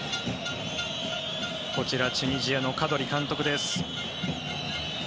こちらチュニジアのカドリ監督です。